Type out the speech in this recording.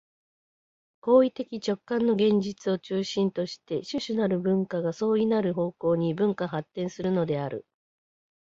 行為的直観の現実を中心として種々なる文化が相異なる方向に分化発展するのである。